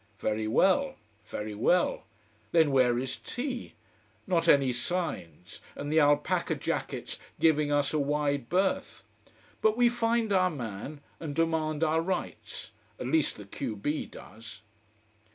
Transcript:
Very well very well. Then where is tea? Not any signs! and the alpaca jackets giving us a wide berth. But we find our man, and demand our rights: at least the q b does.